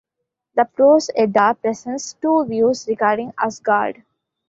The Prose Edda presents two views regarding Asgard.